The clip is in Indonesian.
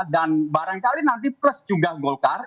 barangkali nanti plus juga golkar